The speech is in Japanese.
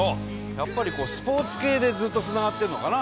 やっぱりスポーツ系でずっとつながってんのかな